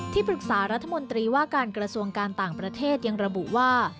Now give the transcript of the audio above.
ปรึกษารัฐมนตรีว่าการกระทรวงการต่างประเทศยังระบุว่า